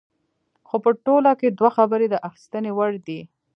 خو په ټوله کې دوه خبرې د اخیستنې وړ دي.